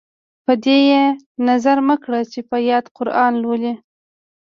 په دې یې نظر مه کړه چې په یاد قران لولي.